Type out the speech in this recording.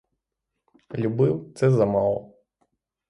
Любив — це замало.